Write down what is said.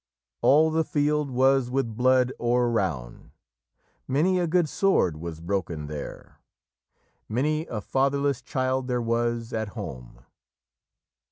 "All the field was with blod ouer roun" "Many a good swerd was broken ther" "Many a fadirles child ther was at home."